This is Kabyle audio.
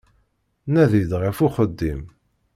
Nadi-d ɣef uxeddim.